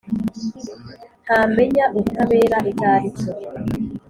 ntamenya ubutabera icyo ari cyo.